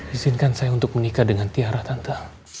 izinkan saya untuk menikah dengan tiara tanta